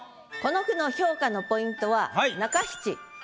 この句の評価のポイントは中七